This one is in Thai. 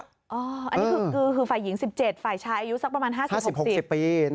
อันนี้คือฝ่ายหญิง๑๗ฝ่ายชายอายุสักประมาณ๕๐๖๐ปี